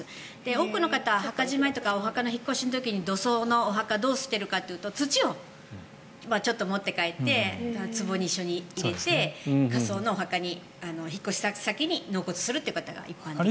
多くの方は墓じまいとかお墓の引っ越しの時に土葬のお墓どうしているかというと土をちょっと持って帰ってつぼに一緒に入れて火葬のお墓に引っ越し先に納骨するという方が一般的です。